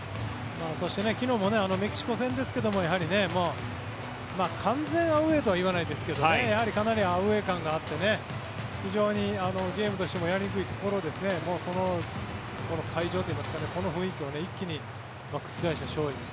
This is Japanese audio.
そして、昨日もメキシコ戦ですけども完全アウェーとは言わないですけどかなりアウェー感があって非常にゲームとしてもやりにくいところを会場といいますか、この雰囲気を一気に覆して勝利。